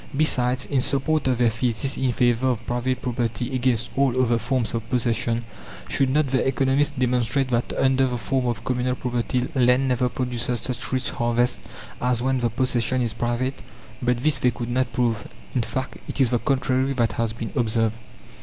Besides, in support of their thesis in favour of private property against all other forms of possession, should not the economists demonstrate that under the form of communal property land never produces such rich harvests as when the possession is private? But this they could not prove; in fact, it is the contrary that has been observed.